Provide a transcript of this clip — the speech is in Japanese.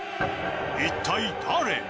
一体誰？